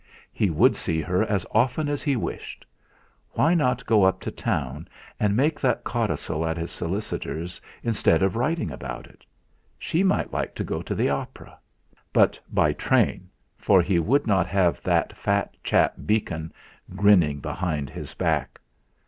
He would see her as often as he wished! Why not go up to town and make that codicil at his solicitor's instead of writing about it; she might like to go to the opera! But, by train, for he would not have that fat chap Beacon grinning behind his back.